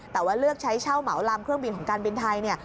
แต่ว่าเลือกใช้เช่าเหมาลำเครื่องบินของการบินไทยเนี่ย